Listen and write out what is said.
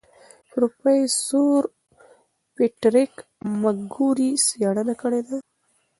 پروفیسور پیټریک مکګوري څېړنه کړې ده.